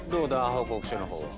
報告書の方は。